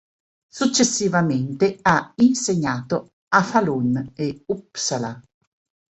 Successivamente ha insegnato a Falun e Uppsala.